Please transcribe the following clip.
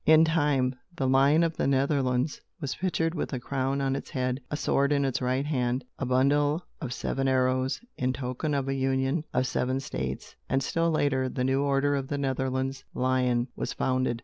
In time, the lion of the Netherlands was pictured with a crown on its head, a sword in its right hand, a bundle of seven arrows in token of a union of seven states and, still later, the new Order of the Netherlands Lion was founded.